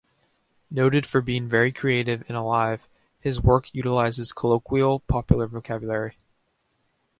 Noted for being very creative and alive, his work utilizes colloquial, popular vocabulary.